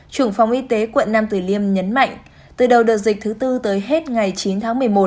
trưởng phòng y tế quận nam tử liêm nhấn mạnh từ đầu đợt dịch thứ tư tới hết ngày chín tháng một mươi một